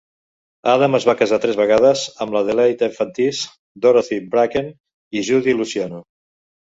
Adams es va casar tres vegades, amb Adelaide Efantis, Dorothy Bracken i Judy Luciano.